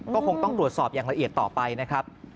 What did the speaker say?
ก็คงต้องตรวจสอบอย่างละเอียดต่อไปนะครับ